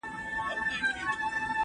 لکه د ښایستو رنګونو په ترکیب کي